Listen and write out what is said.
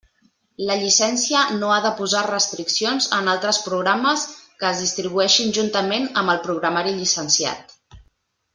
La llicència no ha de posar restriccions en altres programes que es distribueixin juntament amb el programari llicenciat.